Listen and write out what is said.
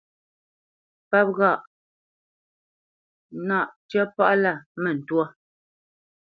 Páp ghâʼ: náʼ ncə́ pâʼlâ mə ntwâ.